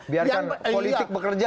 biarkan politik bekerja